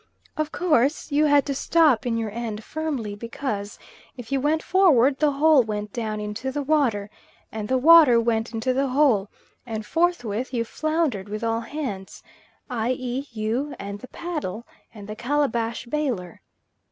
Of course you had to stop in your end firmly, because if you went forward the hole went down into the water, and the water went into the hole, and forthwith you foundered with all hands i.e., you and the paddle and the calabash baler.